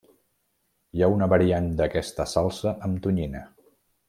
Hi ha una variant d'aquesta salsa amb tonyina.